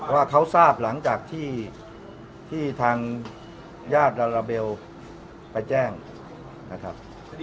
ว่าเขาทราบหลังจากที่ทางญาติลาลาเบลไปแจ้งนะครับ